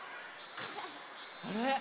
あれ？